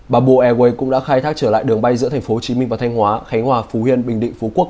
bà bộ airways cũng đã khai thác trở lại đường bay giữa thành phố hồ chí minh và thanh hóa khánh hòa phú hiên bình định phú quốc